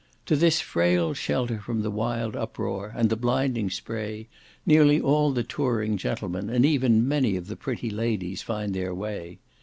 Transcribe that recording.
To this frail shelter from the wild uproar, and the blinding spray, nearly all the touring gentlemen, and even many of the pretty ladies, find their way.